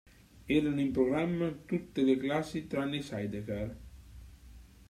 Erano in programma tutte le classi tranne i sidecar.